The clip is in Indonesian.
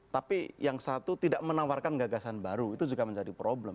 tapi yang satu tidak menawarkan gagasan baru itu juga menjadi problem